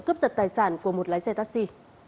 cướp giật tài sản của một lái xe taxi